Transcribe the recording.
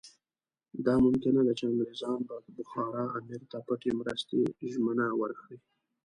دا ممکنه ده چې انګریزان به د بخارا امیر ته پټې مرستې ژمنه ورکړي.